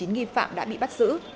ba mươi chín nghi phạm đã bị bắt giữ